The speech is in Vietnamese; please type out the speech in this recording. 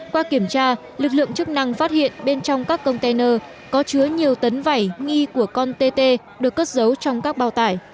qua kiểm tra lực lượng chức năng phát hiện bên trong các container có chứa nhiều tấn vẩy nghi của con tt được cất giấu trong các bao tải